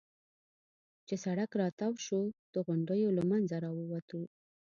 چې سړک را تاو شو، د غونډیو له منځه را ووتو.